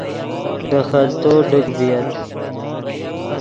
دے خلتو ڈک ڤییت